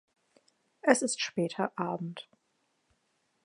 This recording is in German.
Es ist später Abend.